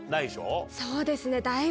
そうですね。